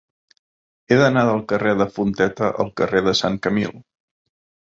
He d'anar del carrer de Fonteta al carrer de Sant Camil.